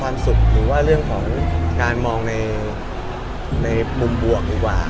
หรือว่าเรื่องของการมองในมุมบวกดีกว่า